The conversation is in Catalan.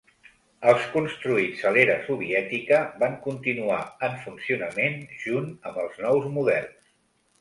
Els construïts a l'era soviètica van continuar en funcionament junt amb els nous models.